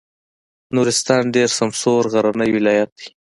نورستان ډېر سمسور غرنی ولایت دی.